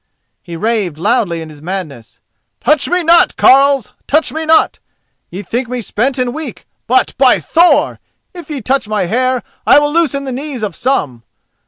He raved loudly in his madness. "Touch me not, carles, touch me not; ye think me spent and weak, but, by Thor! if ye touch my hair, I will loosen the knees of some.